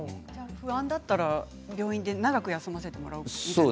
不安だったら病院で長く休ませてもらったり。